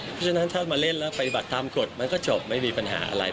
เพราะฉะนั้นถ้ามาเล่นแล้วปฏิบัติตามกฎมันก็จบไม่มีปัญหาอะไร